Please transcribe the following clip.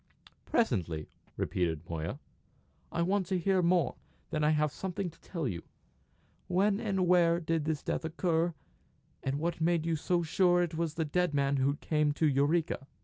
"Presently," repeated Moya. "I want to hear more; then I may have something to tell you. When and where did this death occur, and what made you so sure that it was the dead man who came to Eureka?